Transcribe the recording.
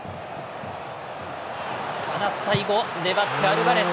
ただ、最後粘ってアルバレス。